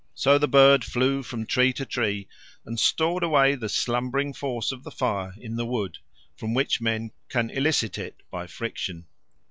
So the bird flew from tree to tree and stored away the slumbering force of the fire in the wood, from which men can elicit it by friction.